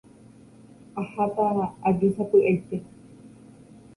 Aháta aju sapy'aite